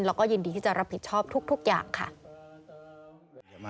แล้วก็ยินดีที่จะรับผิดชอบทุกอย่างค่ะ